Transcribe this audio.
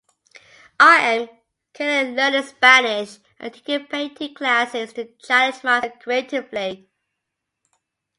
I am currently learning Spanish and taking painting classes to challenge myself creatively.